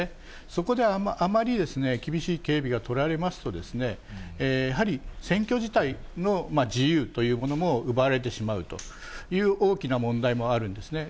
そこであまり厳しい警備が取られますと、やはり選挙自体の自由というものも奪われてしまうという大きな問題もあるんですね。